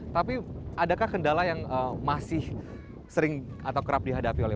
tapi adakah kendala yang masih sering atau kerap dihadapi oleh